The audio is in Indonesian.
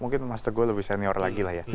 mungkin mas teguh lebih senior lagi lah ya